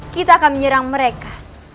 kita akan menyerang mereka